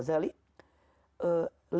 lisan ini adalah sehati